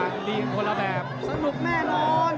สนุกแม่นอน